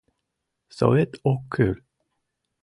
Совет ок кӱл...